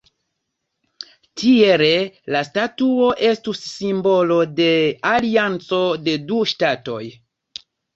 Tiele la statuo estus simbolo de alianco de du ŝtatoj.